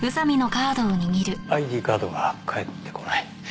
ＩＤカードが返ってこない。